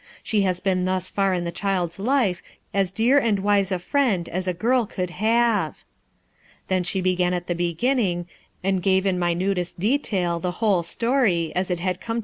She has been thus far in the child's life as dear and wise a friend as a girl could have." Then she began at the beginning and gave in 370 M>ni EnsKtNE a son minutest dot.il the whole